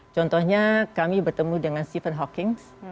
contohnya kami bertemu dengan stephen hawking